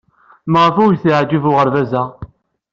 Maɣef ay t-yeɛjeb uɣerbaz-a?